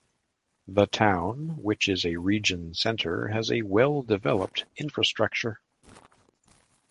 The town, which is a region center, has a well-developed infrastructure.